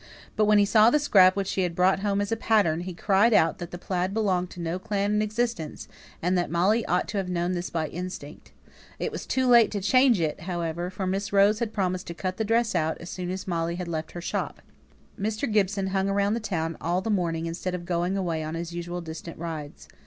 But when he saw the scrap which she had brought home as a pattern, he cried out that the plaid belonged to no clan in existence, and that Molly ought to have known this by instinct. It was too late to change it, however, for Miss Rose had promised to cut the dress out as soon as Molly left her shop. Mr. Gibson had hung about the town all the morning instead of going away on his usual distant rides.